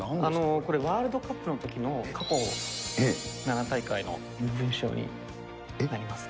これ、ワールドカップのときの、過去７大会の身分証になりますね。